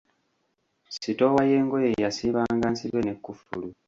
Sitoowa y'engoye yasiibanga nsibe n'ekkufulu.